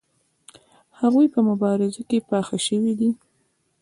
هغوی په مبارزه کې پاخه شوي دي.